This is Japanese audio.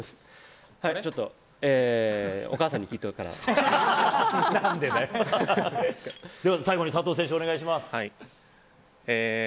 ちょっとお母さんに聞いてお最後に佐藤選手、お願いします。